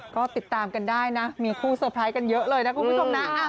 ก็ติดตามกันได้นะมีคู่เตอร์ไพรส์กันเยอะเลยนะคุณผู้ชมนะ